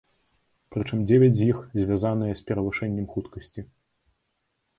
Прычым дзевяць з іх звязаныя з перавышэннем хуткасці.